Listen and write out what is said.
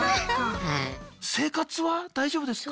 生活は大丈夫ですか？